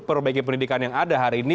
perbaiki pendidikan yang ada hari ini